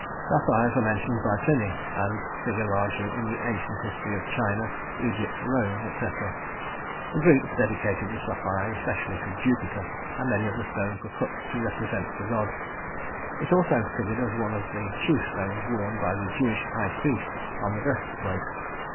Sapphires are mentioned by Pliny, and figure largely in the ancient history of China, Egypt, Rome, etc. The Greeks dedicated the sapphire specially to Jupiter, and many of the stones were cut to represent the god; it also figured as one of the chief stones worn by the Jewish High Priest on the breast plate.